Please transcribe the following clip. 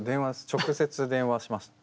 直接電話しました。